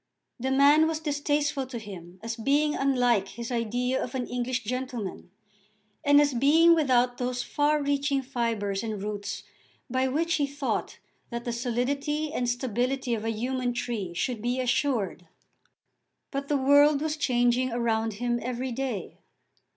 The man was distasteful to him as being unlike his idea of an English gentleman, and as being without those far reaching fibres and roots by which he thought that the solidity and stability of a human tree should be assured. But the world was changing around him every day.